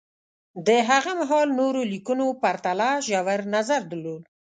د هغه مهال نورو لیکنو پرتله ژور نظر درلود